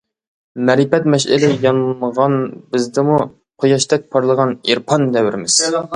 مەرىپەت مەشئىلى يانغان بىزدىمۇ، قۇياشتەك پارلىغان ئېرپان دەۋرىمىز.